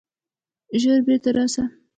ژر بیرته راسه!